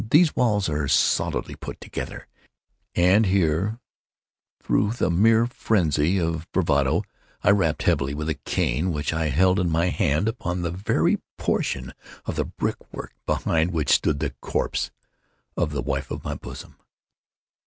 —these walls are solidly put together;" and here, through the mere phrenzy of bravado, I rapped heavily, with a cane which I held in my hand, upon that very portion of the brick work behind which stood the corpse of the wife of my bosom.